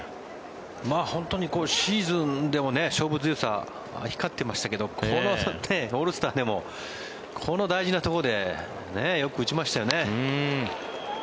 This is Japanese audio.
本当にシーズンでも勝負強さが光ってましたけどこのオールスターでもこの大事なところでよく打ちましたよね。